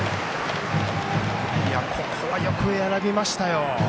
ここはよく選びましたよ。